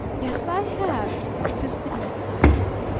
"Yes, I have!" insisted Eve.